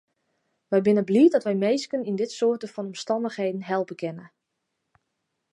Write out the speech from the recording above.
Wy binne bliid dat wy minsken yn dit soarte fan omstannichheden helpe kinne.